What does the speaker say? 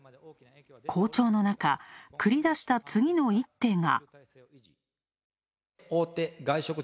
好調のなか、くりだした次の一手が。